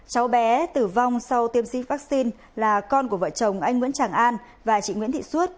cháu bé tử vong sau tiêm vaccine là con của vợ chồng anh nguyễn tràng an và chị nguyễn thị xuất